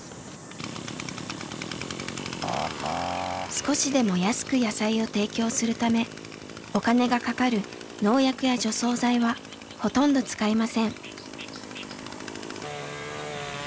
少しでも安く野菜を提供するためお金がかかる農薬や除草剤はほとんど使いません。